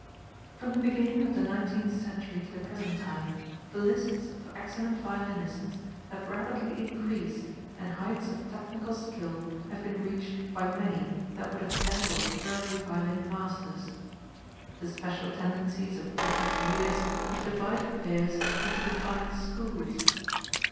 From the beginning of the nineteenth century to the present time the lists of excellent violinists have rapidly increased and heights of technical skill have been reached by many that would have dazzled early violin masters. The special tendencies of gifted leaders have divided players into defined schools.